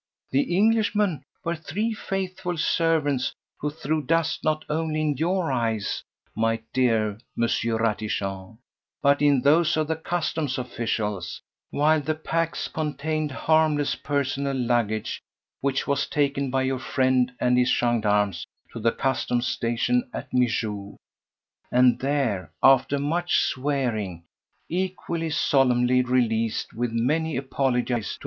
"The Englishmen were three faithful servants who threw dust not only in your eyes, my dear M. Ratichon, but in those of the customs officials, while the packs contained harmless personal luggage which was taken by your friend and his gendarmes to the customs station at Mijoux, and there, after much swearing, equally solemnly released with many apologies to M.